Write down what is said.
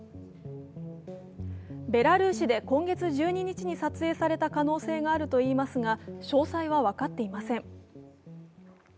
ベラルーシで今月１２日に撮影された可能性があるといいますが、詳細は分かっていません。